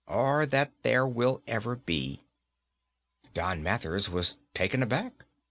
Or that there will ever be." Don Mathers was taken aback.